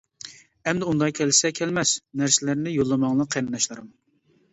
ئەمدى ئۇنداق كەلسە كەلمەس نەرسىلەرنى يوللىماڭلار قېرىنداشلىرىم!